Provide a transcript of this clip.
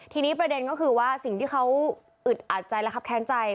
ทีนี้ประเด็นก็คือว่าสิ่งที่เขาอึดอัดใจและครับแค้นใจ